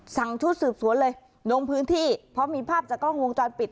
ชุดสืบสวนเลยลงพื้นที่เพราะมีภาพจากกล้องวงจรปิด